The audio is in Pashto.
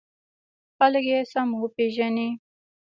خلک یې سم وپېژني.